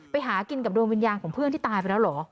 ไปหากินกับดวงวิญญาณของเพื่อนที่ตายไปแล้วเหรอ